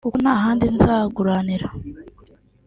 kuko nta handi nzaguranira